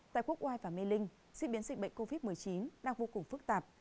tại quốc oai và mê linh diễn biến dịch bệnh covid một mươi chín đang vô cùng phức tạp